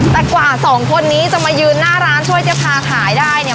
แต่กว่าสองคนนี้จะมายืนหน้าร้านช่วยเจ๊พาขายได้เนี่ย